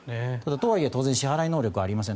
とはいえ当然支払い能力はありません。